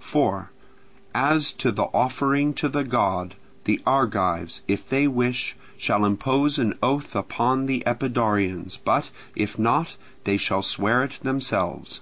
4. As to the offering to the god, the Argives, if they wish, shall impose an oath upon the Epidaurians, but, if not, they shall swear it themselves.